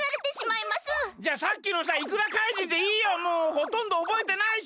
ほとんどおぼえてないし！